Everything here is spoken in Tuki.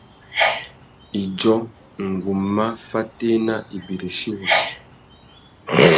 Idjô, ngu má fatēna ibirichi wussi.